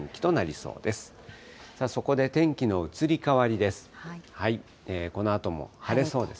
そこで天気の移り変わりです。